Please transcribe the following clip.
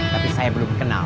tapi saya belum kenal